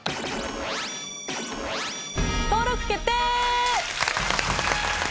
登録決定！